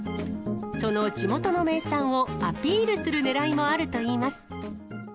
その地元の名産を、アピールするねらいもあるといいます。